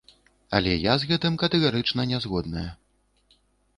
Але я з гэтым катэгарычная нязгодная.